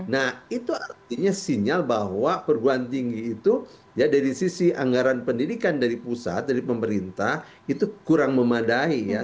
nah itu artinya sinyal bahwa perguruan tinggi itu ya dari sisi anggaran pendidikan dari pusat dari pemerintah itu kurang memadai ya